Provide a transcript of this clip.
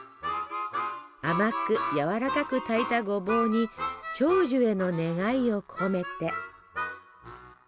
甘くやわらかく炊いたごぼうに長寿への願いを込めて。